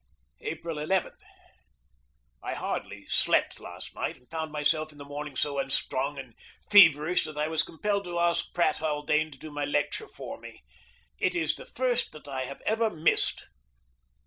April 11. I hardly slept last night, and found myself in the morning so unstrung and feverish that I was compelled to ask Pratt Haldane to do my lecture for me. It is the first that I have ever missed.